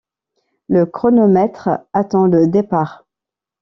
le chronomètre attend le départ!